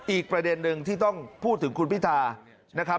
อีกประเด็นหนึ่งที่ต้องพูดถึงคุณพิธานะครับ